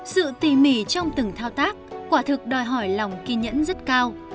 sự tỉ mỉ trong từng thao tác quả thực đòi hỏi lòng kỳ nhẫn rất cao